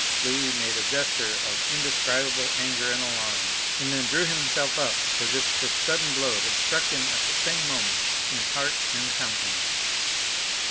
Louis made a gesture of indescribable anger and alarm, and then drew himself up as if this sudden blow had struck him at the same moment in heart and countenance.